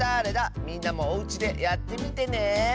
みんなもおうちでやってみてね！